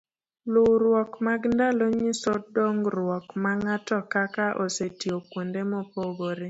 luwruok mag ndalo nyiso dongruok ma ng'atokaka osetiyo kuonde mopogore